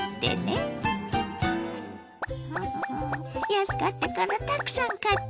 安かったからたくさん買っちゃった！